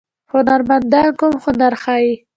هنرمندان کوم هنر ښيي؟